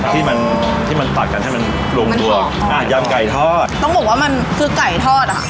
ที่มันที่มันตัดกันให้มันลงตัวอ่ายำไก่ทอดต้องบอกว่ามันคือไก่ทอดอ่ะ